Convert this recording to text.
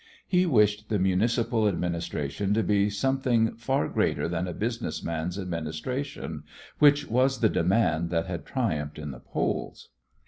He wished the municipal administration to be something far greater than a business man's administration, which was the demand that had triumphed at the polls.